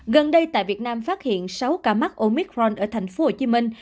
gần đây tại việt nam phát hiện sáu ca mắc omicron ở thành phố hồ chí minh